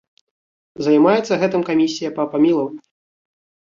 Займаецца гэтым камісія па памілаванні.